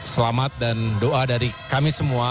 selamat dan doa dari kami semua